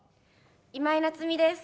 今井菜津美です。